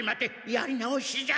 やり直しじゃ。